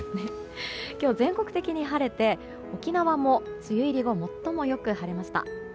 今日は、全国的に晴れて沖縄も梅雨入り後最もよく晴れました。